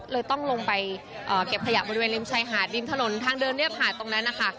เลยต้องลงไปเก็บขยะบริเวณริมชายหาดริมถนนทางเดินเรียบหาดตรงนั้นนะคะ